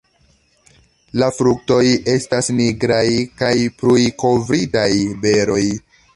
La fruktoj estas nigraj kaj prujkovritaj beroj.